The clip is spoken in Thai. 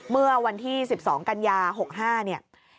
เมื่อวันที่๑๒กันยา๖๕เนี่ย